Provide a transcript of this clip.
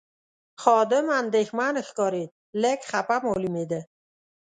خادم اندېښمن ښکارېد، لږ خپه معلومېده.